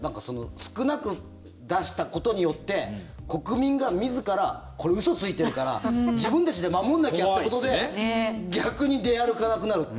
少なく出したことによって国民が自らこれ、嘘ついてるから自分たちで守んなきゃってことで逆に出歩かなくなる。